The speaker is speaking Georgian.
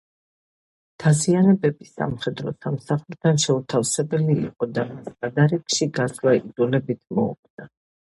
დაზიანებები სამხედრო სამსახურთან შეუთავსებელი იყო და მას თადარიგში გასვლა იძულებით მოუხდა.